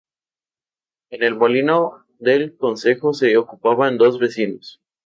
En el molino del concejo se ocupaban dos vecinos.